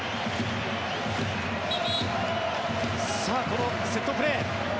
このセットプレー